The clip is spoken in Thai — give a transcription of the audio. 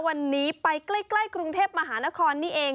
วันนี้ไปใกล้กรุงเทพมหานครนี่เอง